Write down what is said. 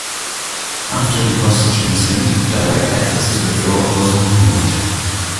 After the hostage incident, direct access to the floor was removed.